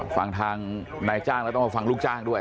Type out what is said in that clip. ฟังทางนายจ้างแล้วต้องมาฟังลูกจ้างด้วย